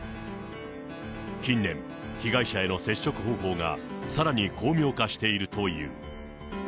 近年、被害者への接触方法がさらに巧妙化しているという。